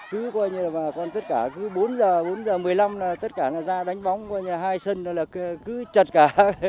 cứ bốn h bốn h một mươi năm tất cả ra đánh bóng hai sân cứ chật cả